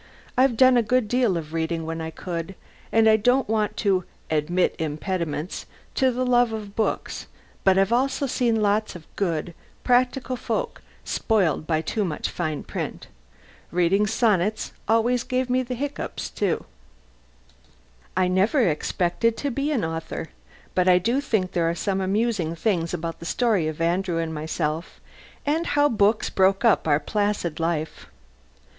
I've done a good deal of reading when I could, and I don't want to "admit impediments" to the love of books, but I've also seen lots of good, practical folk spoiled by too much fine print. Reading sonnets always gives me hiccups, too. I never expected to be an author! But I do think there are some amusing things about the story of Andrew and myself and how books broke up our placid life.